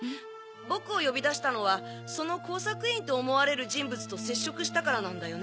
僕を呼び出したのはその工作員と思われる人物と接触したからなんだよね？